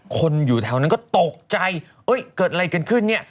คนอยู่แถวนั้นก็ตกใจเกิดอะไรกันขึ้นเนี่ย